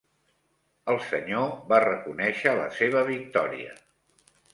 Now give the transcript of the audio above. El senyor va reconèixer la seva victòria.